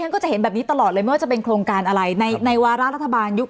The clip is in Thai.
ก็จะเห็นแบบนี้ตลอดเลยไม่ว่าจะเป็นโครงการอะไรในวาระรัฐบาลยุค